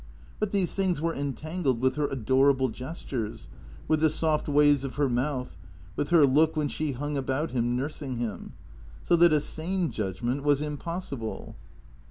But these things were entangled with her adorable gestures, with the soft ways of her mouth, with her look when she hung about him, nursing him ; so that a sane judgment was impossible.